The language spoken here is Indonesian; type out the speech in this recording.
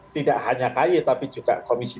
tidak hanya kay tapi juga komisi tiga